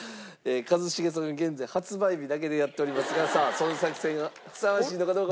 一茂さんが現在発売日だけでやっておりますがさあその作戦がふさわしいのかどうか。